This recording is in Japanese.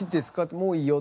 「もういいよ。